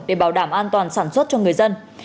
để bảo đảm an toàn sản xuất cho người dân